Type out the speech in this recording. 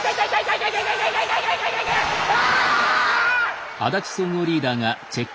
うわ！